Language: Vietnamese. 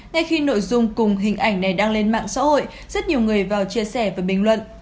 ngay khi nội dung cùng hình ảnh này đang lên mạng xã hội rất nhiều người vào chia sẻ và bình luận